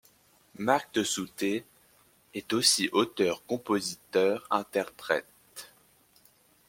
Marc Desoutter est aussi auteur-compositeur-interprète.